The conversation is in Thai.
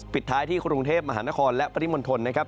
ปิดท้ายที่กรุงเทศมหานครดนรภาพธนกรรมและปฏิมนต์ทนร์นะครับ